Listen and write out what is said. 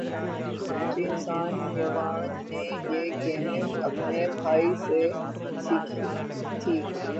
چین San Yuan نے یہ game اپنے بھائی سے سیکھی تھی